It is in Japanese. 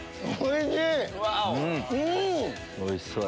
おいしい！